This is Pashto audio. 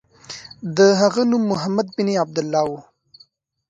د هغه نوم محمد بن عبدالله و.